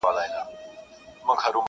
چي نه سمه نه کږه لښته پیدا سي،،!